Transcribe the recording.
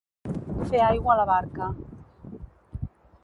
Fer aigua la barca.